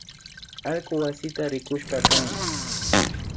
Allku wasita rikushpakan